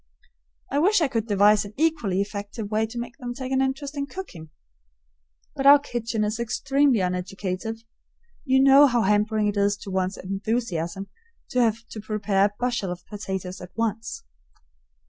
I wish I could devise an equally effective way to make them take an interest in cooking. But our kitchen is extremely uneducative. You know how hampering it is to one's enthusiasm to have to prepare a bushel of potatoes at once.